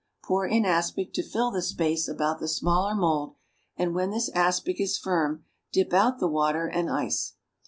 Pour in aspic to fill the space about the smaller mould, and, when this aspic is firm, dip out the water and ice.